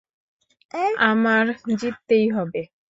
আমার জিততেই হবে!